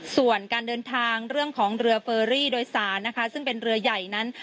ส่วนการเดินทางเรื่องของเรือเฟอรี่โดยสารนะคะซึ่งเป็นเรือใหญ่นั้น